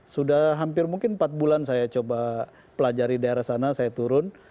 sudah hampir mungkin empat bulan saya coba pelajari daerah sana saya turun